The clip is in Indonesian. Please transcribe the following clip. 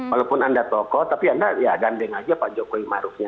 walaupun anda tokoh tapi anda ya gandeng aja pak jokowi marufnya